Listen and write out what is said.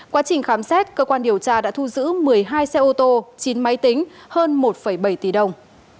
quá trình khám xét cơ quan điều tra đã thu giữ một mươi hai xe ô tô chín máy tính hơn một bảy tỷ đồng